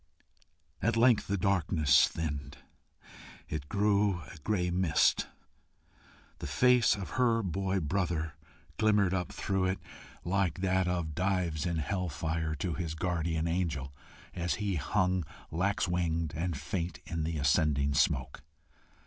At length the darkness thinned; it grew a gray mist; the face of her boy brother glimmered up through it, like that of Dives in hell fire to his guardian angel as he hung lax winged and faint in the ascending smoke.